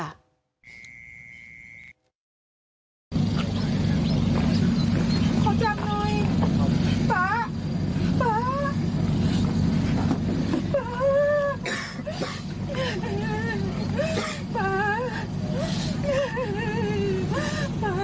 ขอจากหน่อยป๊าป๊า